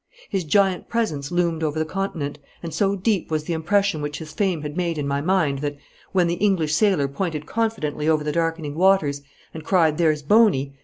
His giant presence loomed over the continent, and so deep was the impression which his fame had made in my mind that, when the English sailor pointed confidently over the darkening waters, and cried 'There's Boney!'